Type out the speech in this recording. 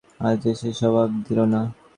দরজা ধরে যে-মেয়েটি দাঁড়িয়ে আছে, সে জবাব দিল না।